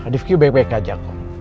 rifqi baik baik aja kom